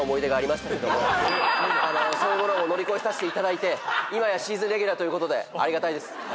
そういうものを乗り越えさせていただいて今やシーズンレギュラーということでありがたいです。